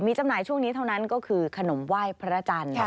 จำหน่ายช่วงนี้เท่านั้นก็คือขนมไหว้พระจันทร์